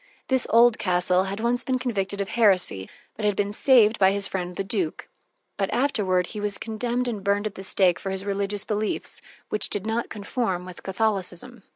This Oldcastle had once been convicted of heresy, but had been saved by his friend the duke. But afterward he was condemned and burned at the stake for his religious beliefs, which did not conform with Catholicism.